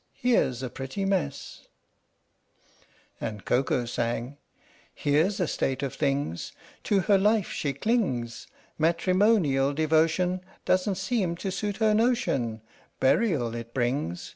Here 's a pretty mess ! And Koko sang : Here 's a state of things ! To her life she clings : Matrimonial devotion Doesn't seem to suit her notion Burial it brings.